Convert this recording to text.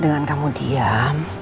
dengan kamu diam